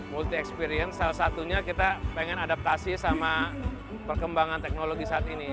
multi experience salah satunya kita pengen adaptasi sama perkembangan teknologi saat ini